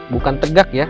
bukan tegak ya